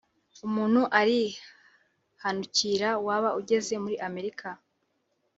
umuntu arihanukira waba ugeze muri Amerika